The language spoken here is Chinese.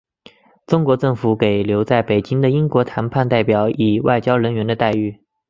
中国政府给留在北京的英国谈判代表以外交人员的待遇。